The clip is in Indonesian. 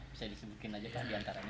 bisa disebutkan aja pak di antaranya